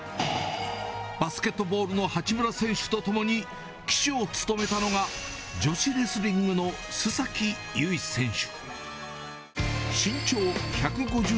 バスケットボールの八村選手と共に旗手を務めたのが、女子レスリングの須崎優衣選手。